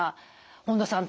本田さん